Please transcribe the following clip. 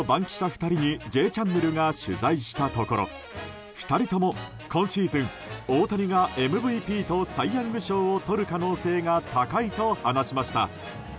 ２人に「Ｊチャンネル」が取材したところ２人とも今シーズン、大谷がＭＶＰとサイ・ヤング賞をとる可能性が高いと話しました。